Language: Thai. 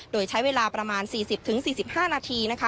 โดยใช้เวลาประมาณ๔๐๔๕นาทีนะคะ